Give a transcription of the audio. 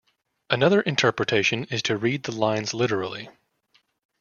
Another interpretation is to read the lines literally.